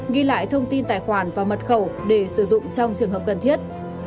ghi lại thông tin tài khoản và mật khẩu để sử dụng trong trường hợp cần thiết